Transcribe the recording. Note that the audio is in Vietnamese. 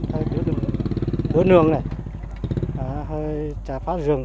hơi đối nương này hơi trà phát rừng